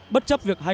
bất chấp việc hay